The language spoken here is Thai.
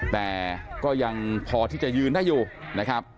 แต่ก็ยังพอที่จะยืนได้อยู่นะครับ